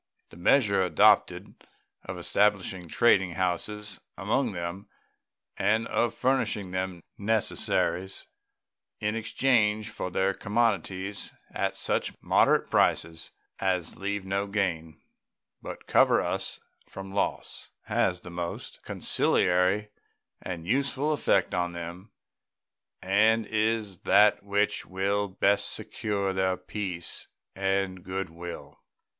The measure adopted of establishing trading houses among them and of furnishing them necessaries in exchange for their commodities at such moderate prices as leave no gain, but cover us from loss, has the most conciliatory and useful effect on them, and is that which will best secure their peace and good will.